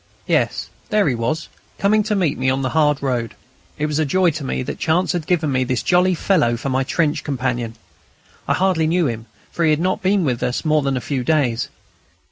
Yes, there he was, coming to meet me on the hard road. It was a joy to me that chance had given me this jolly fellow for my trench companion. I hardly knew him, for he had not been with us more than a few days.